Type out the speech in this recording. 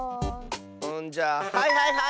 じゃあはいはいはい！